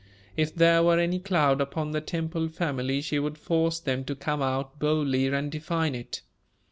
If there were any cloud upon the Temple family, she would force them to come out boldly and define it.